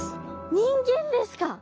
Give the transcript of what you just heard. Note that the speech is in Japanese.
人間ですか！